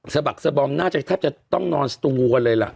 สะบักสะบอมน่าจะแทบจะต้องนอนสตูกันเลยล่ะ